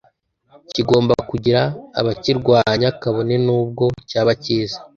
kigomba kugira abakirwanya kabone n'ubwo cyaba cyiza